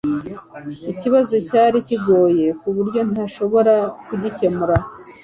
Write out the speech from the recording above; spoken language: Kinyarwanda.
Ikibazo cyari kigoye kuburyo ntashobora kugikemura